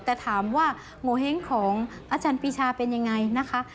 แต่ถามว่าโงเห้งของอาจารย์ปีชาเป็นยังไงนะคะ